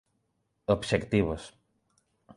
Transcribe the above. Obxectivos